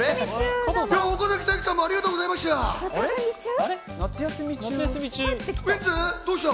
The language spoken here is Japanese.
岡崎体育さんもありがとうございました。